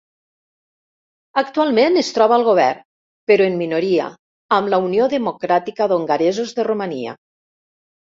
Actualment es troba al govern, però en minoria, amb la Unió Democràtica d'Hongaresos de Romania.